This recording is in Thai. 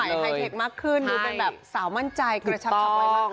อันนี้พันธุ์สมัยไทยเทคมากขึ้นดูเป็นแบบสาวมั่นใจกระชับไว้มากขึ้น